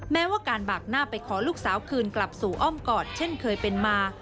แม้ว่าการบากหน้าไปขอลูกสาวคืนกลับสู่อ้อมกอดเช่นเคยเป็นมา